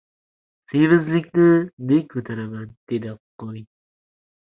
Semizlikni — men ko‘taraman.